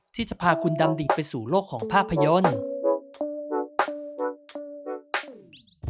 ที่จะพาคุณดำดิ่งไปสู่โลกของภาพยนตร์